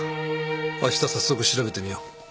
あした早速調べてみよう。